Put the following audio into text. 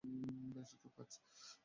বেশ দ্রুত কাজ।